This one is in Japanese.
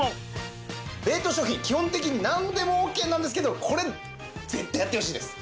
冷凍食品基本的になんでもオッケーなんですけどこれ絶対やってほしいです。